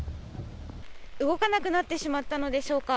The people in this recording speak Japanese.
動かなくなってしまったのでしょうか。